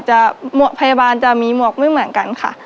พยาบาลจะมีหมวกไม่เหมือนกันค่ะ